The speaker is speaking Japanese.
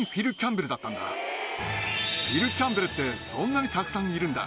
フィル・キャンベルってそんなにたくさんいるんだ。